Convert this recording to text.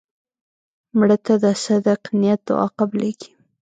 مړه ته د صدق نیت دعا قبلیږي